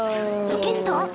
ロケット？